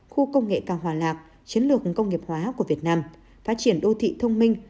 khu công nghệ cao hòa lạc chiến lược công nghiệp hóa của việt nam phát triển đô thị thông minh